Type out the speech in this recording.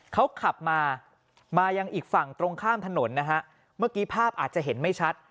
เขาขับมามายังอีกฝั่งตรงข้ามถนนนะฮะเมื่อกี้ภาพอาจจะเห็นไม่ชัด